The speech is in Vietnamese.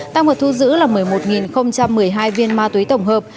tăng vật thu giữ là một mươi một một mươi hai viên ma túy tổng hợp